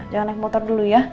jangan naik motor dulu ya